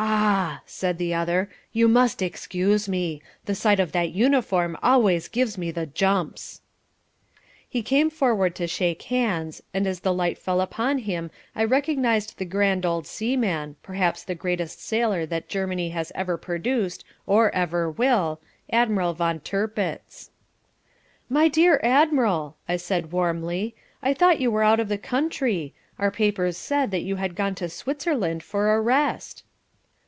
"Ah!" said the other. "You must excuse me. The sight of that uniform always gives me the jumps." He came forward to shake hands and as the light fell upon him I recognized the grand old seaman, perhaps the greatest sailor that Germany has ever produced or ever will, Admiral Von Tirpitz. "My dear Admiral!" I said, warmly. "I thought you were out of the country. Our papers said that you had gone to Switzerland for a rest."